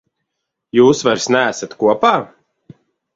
Jūs vairs neesat kopā?